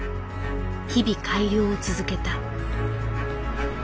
日々改良を続けた。